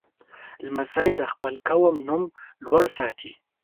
لمسی د خپل قوم نوم لوړ ساتي.